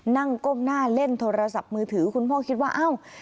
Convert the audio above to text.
ก้มหน้าเล่นโทรศัพท์มือถือคุณพ่อคิดว่าอ้าว